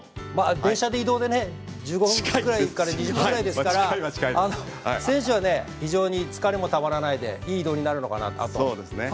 電車で移動でね１５分、２０分ぐらいですから非常に疲れもたまらないでいい移動になるのかな。